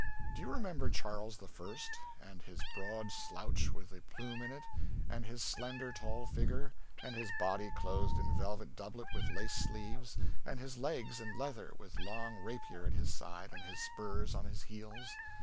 Do you remember Charles the First? and his broad slouch with the plume in it? and his slender, tall figure? and his body clothed in velvet doublet with lace sleeves, and his legs in leather, with long rapier at his side and his spurs on his heels?